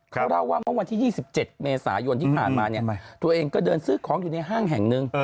เขาเล่าว่าเมื่อวันที่๒๗เมษายนที่ผ่านมาเนี่ยตัวเองก็เดินซื้อของอยู่ในห้างแห่งหนึ่ง